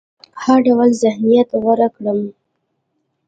هر ډول ذهنيت غوره کړم.